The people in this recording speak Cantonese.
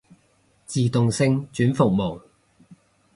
自動性轉服務